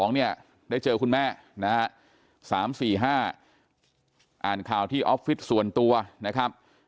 เนี่ยได้เจอคุณแม่นะฮะ๓๔๕อ่านข่าวที่ออฟฟิศส่วนตัวนะครับ